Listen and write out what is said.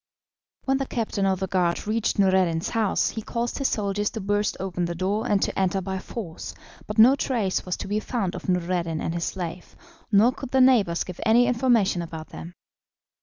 When the captain of the guard reached Noureddin's house he caused his soldiers to burst open the door and to enter by force, but no trace was to be found of Noureddin and his slave, nor could the neighbours give any information about them.